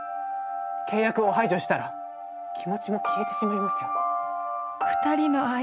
契約を排除したら気持ちも消えてしまいますよ。